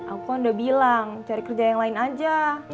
aku udah bilang cari kerja yang lain aja